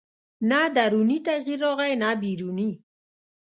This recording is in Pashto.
نه دروني تغییر راغی نه بیروني